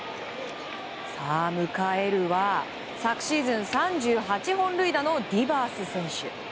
迎えるは昨シーズン３８本塁打のディバース選手。